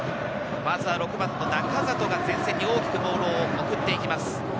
６番の仲里が前線に大きくボールを送っていきます。